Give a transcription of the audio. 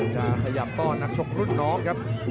จะขยับต้อนนักชกรุ่นน้องครับ